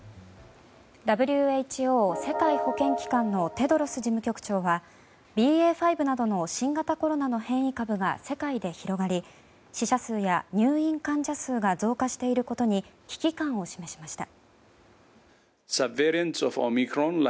ＷＨＯ・世界保健機関のテドロス事務局長はＢＡ．５などの新型コロナの変異株が世界で広がり死者数や入院患者数が増加していることに危機感を示しました。